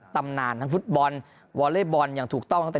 ตำนานทั้งฟุตบอลวอเล็กบอลอย่างถูกต้องตั้งแต่